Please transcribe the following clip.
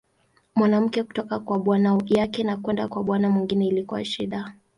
Mwanamke kutoka kwa bwana yake na kwenda kwa bwana mwingine ilikuwa shida.